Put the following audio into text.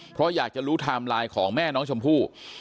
เพราะอยากจะรู้ไทม์ไลน์ของแม่น้องชมพู่